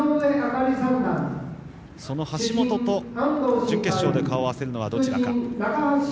その橋本と準決勝で顔を合わせるのはどちらか。